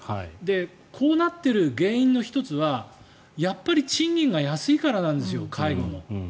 こうなっている原因の１つはやっぱり賃金が安いからなんですよ、介護の。